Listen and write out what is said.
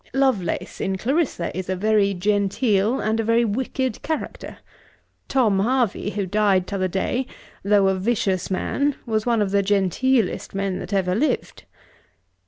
Lovelace, in Clarissa, is a very genteel and a very wicked character. Tom Hervey, who died t'other day, though a vicious man, was one of the genteelest men that ever lived.'